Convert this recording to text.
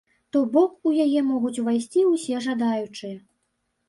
То бок, у яе могуць увайсці ўсе жадаючыя.